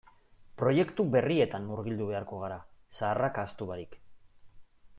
Proiektu berrietan murgildu beharko gara zaharrak ahaztu barik.